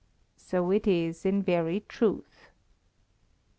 "So it is in very truth."